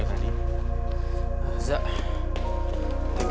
zat terima kasih